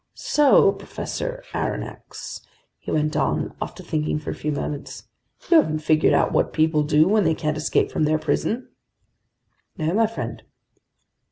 "So, Professor Aronnax," he went on after thinking for a few moments, "you haven't figured out what people do when they can't escape from their prison?" "No, my friend."